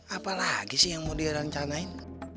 apa lagi sih yang mau dia rencanain